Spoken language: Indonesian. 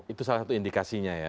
itu salah satu indikasinya ya